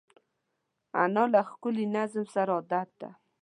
انا له ښکلي نظم سره عادت ده